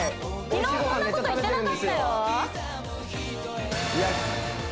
昨日そんなこと言ってなかったよ